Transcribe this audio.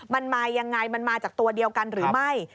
มันมายังไงมันมาจากตัวเดียวกันหรือไม่